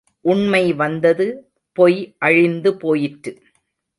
உண்மை வந்தது, பொய் அழிந்து போயிற்று.